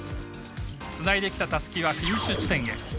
つないできたたすきは、フィニッシュ地点へ。